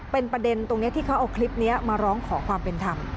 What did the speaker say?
เป็นประเด็นตรงนี้ที่เขาเอาคลิปนี้มาร้องขอความเป็นธรรม